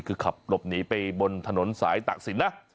คือขับหลบหนีไปบนถนนสายตากศิลปนะ